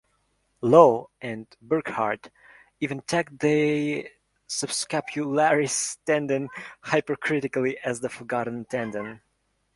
Lo and Burkhart even tagged the subscapularis tendon hypercritically as the "forgotten tendon".